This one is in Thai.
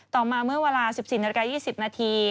ต่อมาเมื่อเวลา๑๔นาฬิกา๒๐นาที